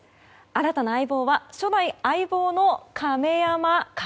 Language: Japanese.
新たな相棒は初代相棒の亀山薫。